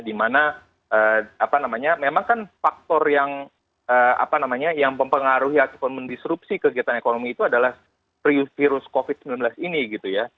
dimana memang kan faktor yang mempengaruhi ataupun mendisrupsi kegiatan ekonomi itu adalah virus covid sembilan belas ini gitu ya